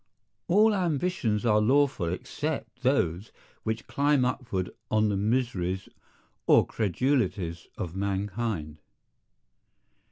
"All ambitions are lawful except those which climb upward on the miseries or credulities of mankind."